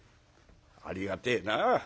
ありがてえな。